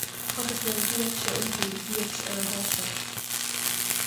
agus nuair a shuíodh sé inti bhíodh sé ar a shástacht